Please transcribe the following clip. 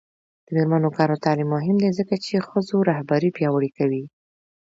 د میرمنو کار او تعلیم مهم دی ځکه چې ښځو رهبري پیاوړې کوي.